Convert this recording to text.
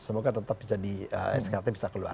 semoga tetap bisa di skt bisa keluar